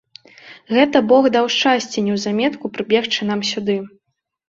Гэта бог даў шчасце неўзаметку прыбегчы нам сюды.